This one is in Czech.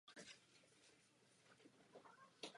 Většina provozoven byla po válce uzavřena.